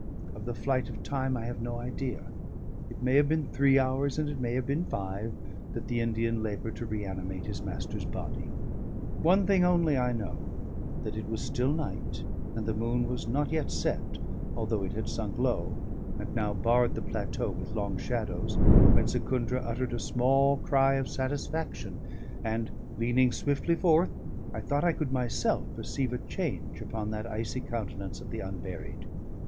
Of the flight of time I have no idea; it may have been three hours, and it may have been five, that the Indian laboured to reanimate his master's body. One thing only I know, that it was still night, and the moon was not yet set, although it had sunk low, and now barred the plateau with long shadows, when Secundra uttered a small cry of satisfaction: and, leaning swiftly forth, I thought I could myself perceive a change upon that icy countenance of the unburied.